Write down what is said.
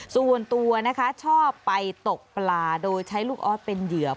ส่วนตัวนะคะชอบไปตกปลาโดยใช้ลูกออสเป็นเหยื่อ